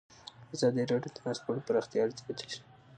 ازادي راډیو د ترانسپورټ د پراختیا اړتیاوې تشریح کړي.